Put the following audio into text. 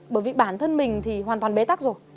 bởi vì bản thân mình thì hoàn toàn bế tắc rồi